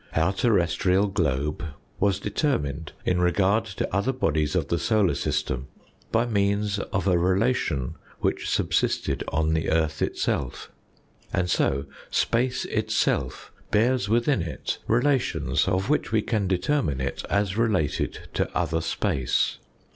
Our terrestrial globe was determined in regard to other bodies of the solar system by means of a relation which subsisted on the earth itself. And so space itself bears within it relations of which we can determine it as related to other space.